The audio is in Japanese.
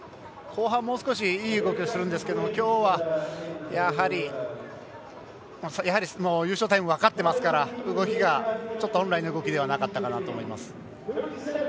後半、もう少しいい動きをするんですけどきょうは、やはり優勝タイム分かってますから動きがちょっと本来の動きではなかったと思います。